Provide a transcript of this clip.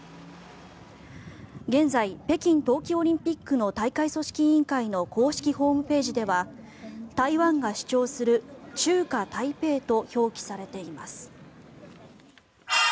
現在、北京冬季オリンピックの大会組織委員会の公式ホームページでは台湾が主張する中華台北と表記されています。